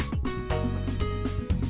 như cây quên ra